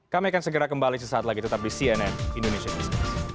kami akan segera kembali sesaat lagi tetap di cnn indonesia news